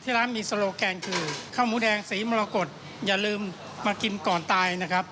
ร้านมีโซโลแกนคือข้าวหมูแดงสีมรกฏอย่าลืมมากินก่อนตายนะครับ